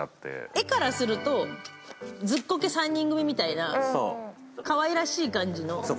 絵からするとずっこけ３人組みたいなかわいらしい感じの。